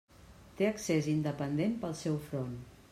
Té accés independent pel seu front.